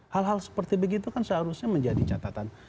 hal hal seperti begitu kan seharusnya menjadi catatan